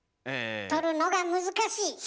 取るのが難しい。